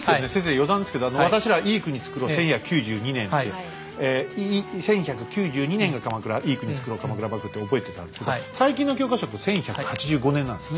余談ですけど私らは「いい国つくろう１１９２年」って１１９２年が鎌倉「いい国つくろう鎌倉幕府」って覚えてたんですけど最近の教科書って１１８５年なんですよね。